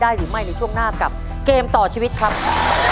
หรือไม่ในช่วงหน้ากับเกมต่อชีวิตครับ